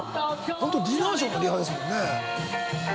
本当ディナーショーのリハですもんね。）